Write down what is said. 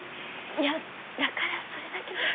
いやだからそれだけじゃ。